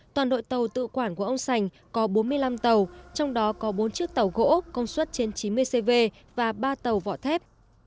toàn đội tàu tự quản của ông sành có bốn mươi năm tàu trong đó có bốn chiếc tàu gỗ công suất trên chín mươi cv và ba tàu vỏ thép